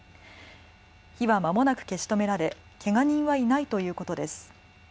火はまもなく消し止められけが人はいないということです。